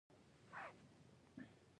• د سړکونو لوړ ږغ ښار ته شور ورکوي.